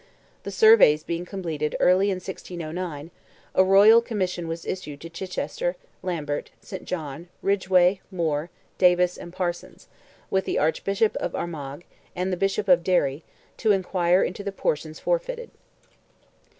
The surveys being completed early in 1609, a royal commission was issued to Chichester, Lambert, St. John, Ridgeway, Moore, Davis, and Parsons, with the Archbishop of Armagh, and the Bishop of Derry, to inquire into the portions forfeited.